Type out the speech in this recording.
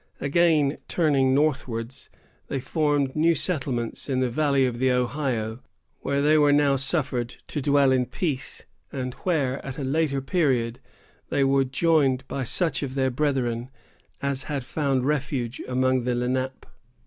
Again, turning northwards, they formed new settlements in the valley of the Ohio, where they were now suffered to dwell in peace, and where, at a later period, they were joined by such of their brethren as had found refuge among the Lenape.